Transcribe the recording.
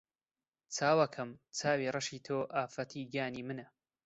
چاوەکەم! چاوی ڕەشی تۆ ئافەتی گیانی منە